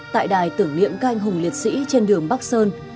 tại đài tưởng niệm các anh hùng liệt sĩ trên đường bắc sơn